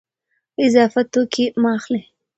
اضافي توکي مه اخلئ.